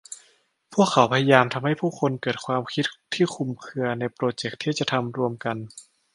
พวกเขาพยายามทำให้ผู้คนเกิดความคิดที่คลุมเครือในโปรเจคที่จะทำรวมกัน